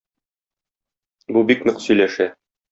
Бу бик нык сөйләшә.